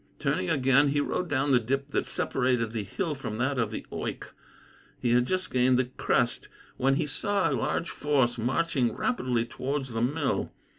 Turning again, he rode down the dip that separated the hill from that of Oycke. He had just gained the crest, when he saw a large force marching rapidly towards the mill.